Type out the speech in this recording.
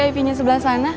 ruang vip nya sebelah sana